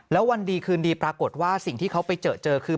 แล้ววันดีคืนดีปรากฏว่าสิ่งที่เขาไปเจอเจอคือ